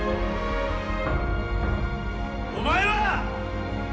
お前は！